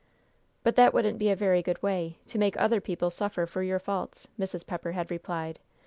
"But that wouldn't be a very good way: to make other people suffer for your faults," Mrs. Pepper had replied.